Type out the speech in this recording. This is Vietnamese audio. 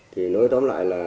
thì nói tóm lại là